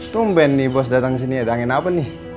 tumben nih bos datang kesini ada angin apa nih